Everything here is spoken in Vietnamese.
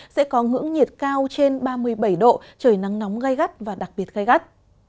sẽ có ngưỡng nhiệt cao trên ba mươi bảy độ trời nắng nóng gai gắt và đặc biệt gai gắt